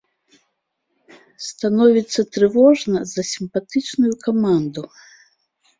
Становіцца трывожна за сімпатычную каманду.